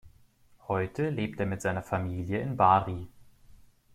Heute lebt er mit seiner Familie in Bari.